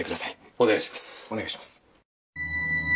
お願いします。